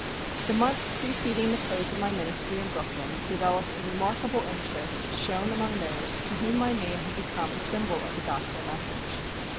The months preceding the close of my ministry in Brooklyn developed a remarkable interest shown among those to whom my name had become a symbol of the Gospel message.